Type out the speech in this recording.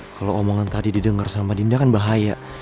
kalau omongan tadi didengar sama dinda kan bahaya